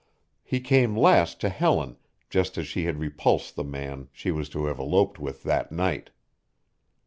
He came last to Helen just as she had repulsed the man she was to have eloped with that night.